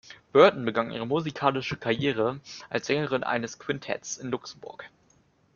Burton begann ihre musikalische Karriere als Sängerin eines Quintetts in Luxemburg.